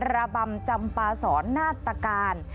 ระบำจำปาศรนาตการ